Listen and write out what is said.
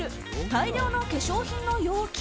大量の化粧品の容器。